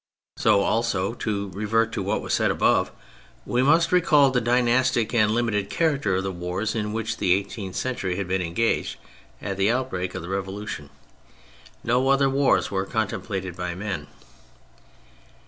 So also, to revert to what was said above, we must recall the dynastic and limited character of the wars in which the eighteenth century had been engaged ; at the outbreak of the Revolution no other wars were con templated by men.